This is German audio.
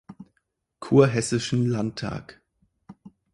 Kurhessischen Landtag.